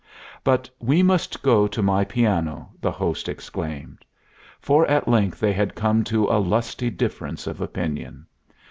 "But we must go to my piano," the host exclaimed. For at length they had come to a lusty difference of opinion.